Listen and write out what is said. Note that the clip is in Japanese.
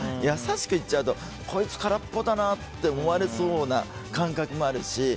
優しく言っちゃうとこいつ、空っぽだなって思われそうな感覚もあるし。